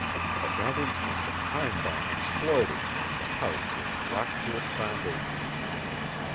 At that instant the time bomb exploded and the house was rocked to its foundations.